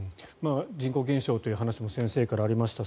人口減少という話も先生からありました